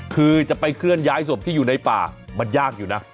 คือจะไปเคลื่อนย้ายศพที่อยู่ในป่ามันยากอยู่นะ